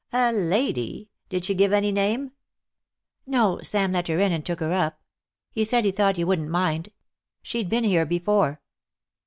"A lady? Did she give any name?" "No. Sam let her in and took her up. He said he thought you wouldn't mind. She'd been here before."